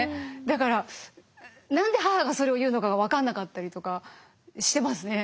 だから何で母がそれを言うのかが分かんなかったりとかしてますね